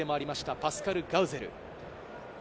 パスカル・ガウゼル。